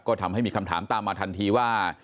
ก็ทำให้มีคำถามตามมาทันทีว่า